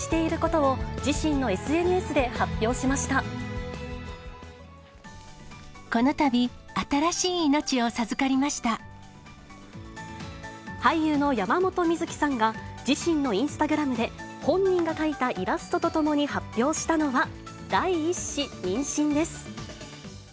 このたび、新しい命を授かり俳優の山本美月さんが、自身のインスタグラムで、本人が描いたイラストとともに発表したのは、第１子妊娠です。